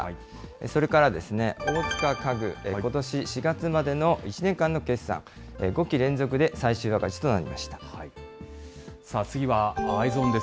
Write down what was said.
それから大塚家具、ことし４月までの１年間の決算、５期連続で最次はＥｙｅｓｏｎです。